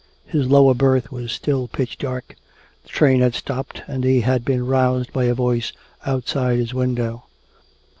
His lower berth was still pitch dark. The train had stopped, and he had been roused by a voice outside his window.